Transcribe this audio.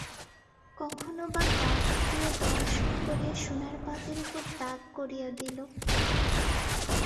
কখনো বা দাঁত দিয়া দংশন করিয়া সোনার পাতের উপর দাগ করিয়া দিল।